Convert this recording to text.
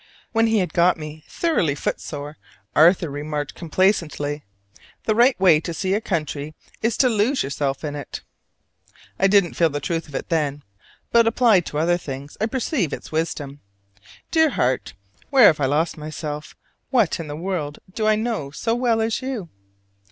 When he had got me thoroughly foot sore, Arthur remarked complacently, "The right way to see a country is to lose yourself in it!" I didn't feel the truth of it then: but applied to other things I perceive its wisdom. Dear heart, where I have lost myself, what in all the world do I know so well as you?